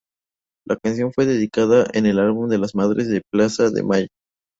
La canción fue dedicada en el álbum a las Madres de Plaza de Mayo.